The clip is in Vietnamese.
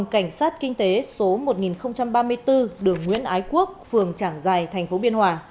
cảnh sát kinh tế số một nghìn ba mươi bốn đường nguyễn ái quốc phường trảng giày tp biên hòa